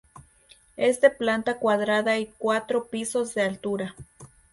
Es de planta cuadrada y cuatro pisos de altura.